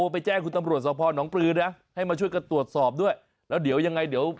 ไหนจะอยู่ทิ้งไปเลยอย่างนี้